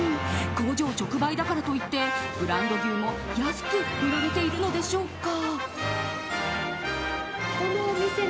工場直売だからといってブランド牛も安く売られているのでしょうか？